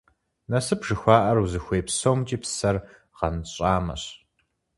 Насып жыхуаӀэр узыхуей псомкӀи псэр гъэнщӀамэщ.